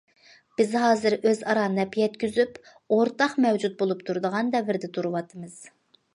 بىز ھازىر ئۆزئارا نەپ يەتكۈزۈپ، ئورتاق مەۋجۇت بولۇپ تۇرىدىغان دەۋردە تۇرۇۋاتىمىز.